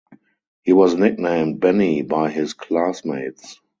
He was nicknamed "Benny" by his classmates.